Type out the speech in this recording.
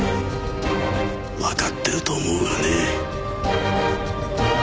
わかってると思うがね。